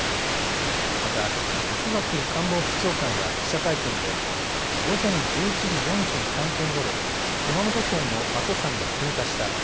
また磯崎官房副長官は記者会見で午前１１時４３分ごろ、熊本県の阿蘇山が噴火した。